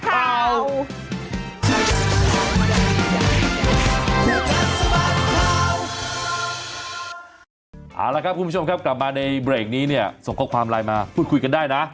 เอาละครับคุณผู้ชมครับกลับมาในเบรกนี้เนี่ยส่งข้อความไลน์มาพูดคุยกันได้นะ